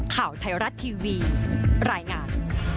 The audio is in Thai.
ข่าวไทยรัฐทีวีรายงาน